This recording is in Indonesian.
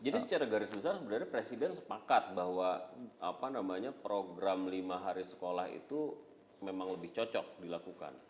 jadi secara garis besar sebenarnya presiden sepakat bahwa program lima hari sekolah itu memang lebih cocok dilakukan